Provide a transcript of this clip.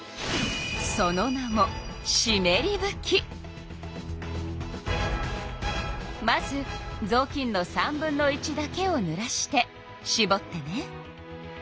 その名もまずぞうきんの３分の１だけをぬらしてしぼってね。